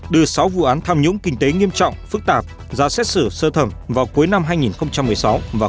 đưa sáu vụ án tham nhũng kinh tế nghiêm trọng phức tạp ra xét xử sơ thẩm vào cuối năm hai nghìn một mươi sáu và